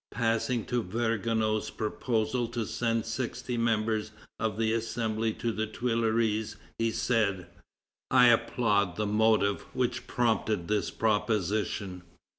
Passing to Vergniaud's proposal to send sixty members of the Assembly to the Tuileries, he said: "I applaud the motive which prompted this proposition.